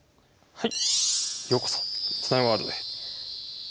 はい。